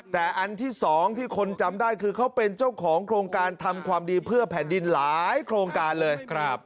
แต่อันที่สองที่คนจำได้คือเขาเป็นเจ้าของโครงการทำความดีเพื่อแผ่นดินหลายโครงการเลย